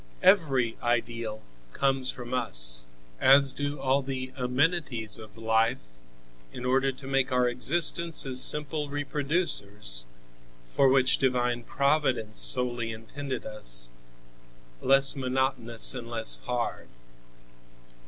Every ideal comes from us as do all the amenities of life, in order to make our existence as simple reproducers, for which divine Providence solely intended us, less monotonous and less hard.